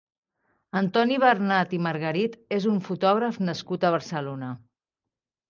Antoni Bernad i Margarit és un fotògraf nascut a Barcelona.